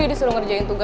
jadi gue ikutan juga